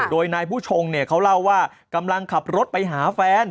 โดยนายผู้ชงเนี่ยเขาเล่าว่ากำลังขับรถไปหาแฟน